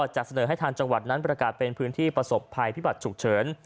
จะเสนอให้ทางจังหวัดนั้นประกาศเป็นพื้นที่ประสบภัยพิบัติฉุกเฉิน